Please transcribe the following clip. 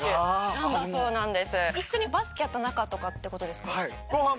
一緒にバスケやった仲とかって事ですか？